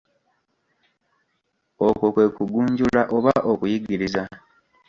Okwo kwe kugunjula oba okuyigiriza .